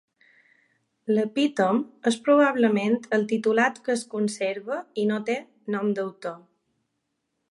L'epítom és probablement el titulat que es conserva i no té nom d'autor.